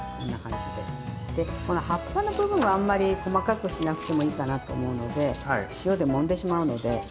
でこの葉っぱの部分はあんまり細かくしなくてもいいかなと思うので塩でもんでしまうので。